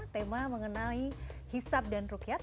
tema mengenai hisab dan rukyat